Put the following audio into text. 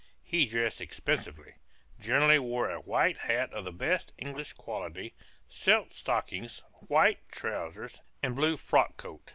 He dressed expensively generally wore a white hat of the best English quality, silk stockings, white trowsers, and blue frock coat.